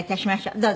どうぞ。